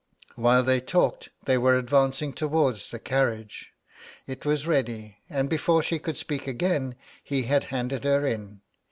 'While they talked they were advancing towards the carriage: it was ready, and before she could speak again he had handed her in.